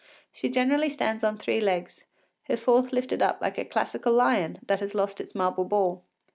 She generally stands on three legs, her fourth lifted up like a classical lion that has lost its marble ball.